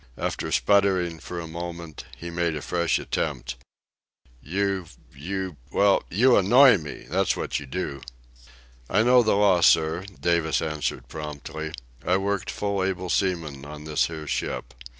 After spluttering for a moment he made a fresh attempt. "You ... you ... well, you annoy me, that's what you do." "I know the law, sir," Davis answered promptly. "I worked full able seaman on this here ship.